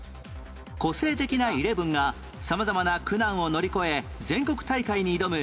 個性的なイレブンが様々な苦難を乗り越え全国大会に挑む